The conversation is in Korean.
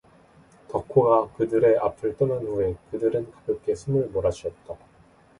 덕호가 그들의 앞을 떠난 후에 그들은 가볍게 숨을 몰아쉬었다.